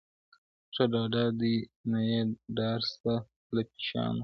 o ښه ډاډه دي نه یې ډار سته له پیشیانو,